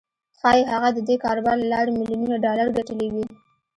ښايي هغه د دې کاروبار له لارې ميليونونه ډالر ګټلي وي.